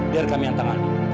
biar kami antangan